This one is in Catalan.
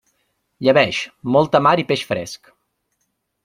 Llebeig, molta mar i peix fresc.